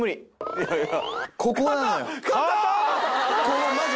いやいや。